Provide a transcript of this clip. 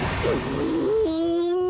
うん。